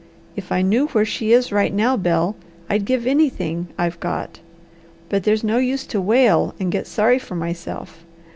If I knew where she is right now, Bel, I'd give anything I've got. But there's no use to wail and get sorry for myself.